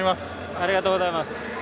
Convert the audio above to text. ありがとうございます。